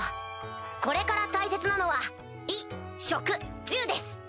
これから大切なのは衣食住です。